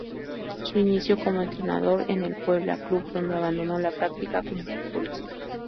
Se inició como entrenador en el Puebla, club donde abandonó la práctica como futbolista.